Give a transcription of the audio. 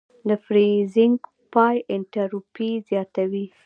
د فریزینګ پای انټروپي زیاتوي.